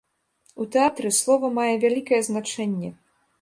У тэатры слова мае вялікае значэнне.